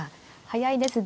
速いです。